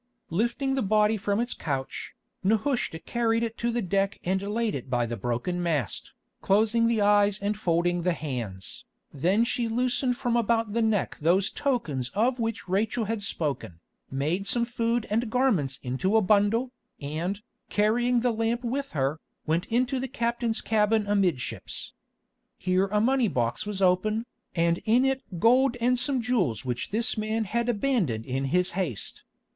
Lifting the body from its couch, Nehushta carried it to the deck and laid it by the broken mast, closing the eyes and folding the hands. Then she loosened from about the neck those tokens of which Rachel had spoken, made some food and garments into a bundle, and, carrying the lamp with her, went into the captain's cabin amidships. Here a money box was open, and in it gold and some jewels which this man had abandoned in his haste.